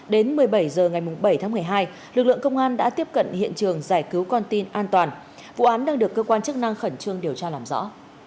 đến một mươi bảy h ngày bảy tháng một mươi hai lực lượng công an đã tiếp cận hiện trường giải cứu con tin an toàn vụ án đang được cơ quan chức năng khẩn trương điều tra làm rõ